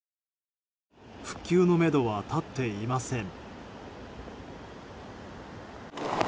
復旧のめどは立っていません。